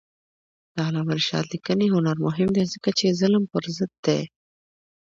د علامه رشاد لیکنی هنر مهم دی ځکه چې ظلم پر ضد دی.